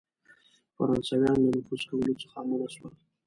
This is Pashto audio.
فرانسیویان له نفوذ کولو څخه منع سول.